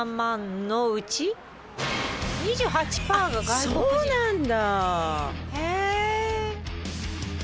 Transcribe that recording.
あそうなんだ！